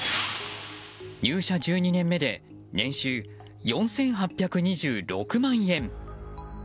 入社１２年目で年収４８２６万円。